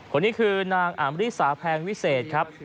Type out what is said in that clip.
คนนี้คือนางอามริสาแพงวิเศษครับ